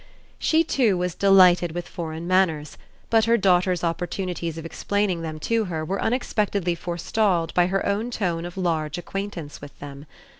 She too was delighted with foreign manners; but her daughter's opportunities of explaining them to her were unexpectedly forestalled by her own tone of large acquaintance with them.